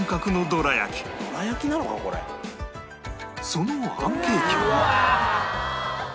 そのあんケーキは